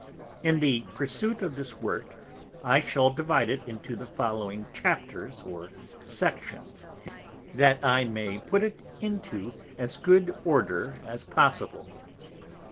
In the Pursuit of this Work, I shall divide it into the following Chapters or Sections, that I may put it into as good Order as possible.